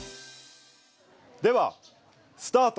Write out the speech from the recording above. ではスタート！